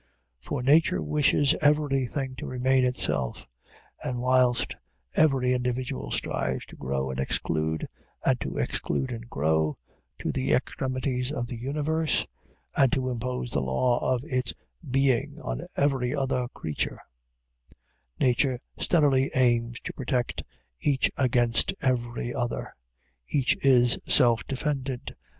For Nature wishes everything to remain itself; and whilst every individual strives to grow and exclude, and to exclude and grow, to the extremities of the universe, and to impose the law of its being on every other creature, Nature steadily aims to protect each against every other. Each is self defended.